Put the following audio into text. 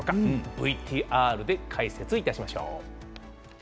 ＶＴＲで解説いたしましょう。